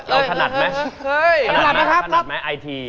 เอาถนัดไหม